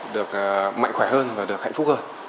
được mạnh khỏe hơn và được hạnh phúc hơn